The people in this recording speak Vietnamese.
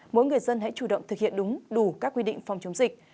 mỗi người dân hãy chủ động thực hiện đúng đủ các quy định phòng chống dịch